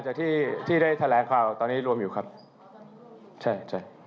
ก็จะเป็นสิ่งที่ไม่มีความคิดว่าจะทำได้หรือไม่เราจะส่งให้คุณรู้สึก